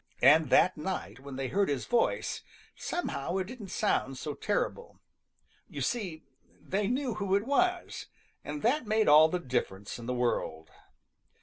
And that night when they heard his voice, somehow it didn't sound so terrible. You see, they knew who it was, and that made all the difference in the world.